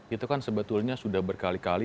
itu kan sebetulnya sudah berkali kali